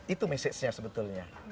itu mesejnya sebetulnya